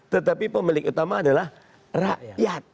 tetapi pemilik utama adalah rakyat